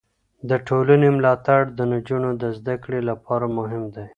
د ټولنې ملاتړ د نجونو د زده کړې لپاره مهم دی.